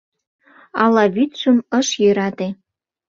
Ала вӱдшым ыш йӧрате, -